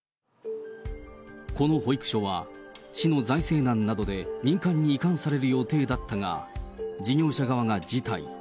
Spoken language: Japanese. この保育所は、市の財政難などで民間に移管される予定だったが、事業者側が辞退。